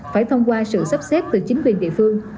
phải thông qua sự sắp xếp từ chính quyền địa phương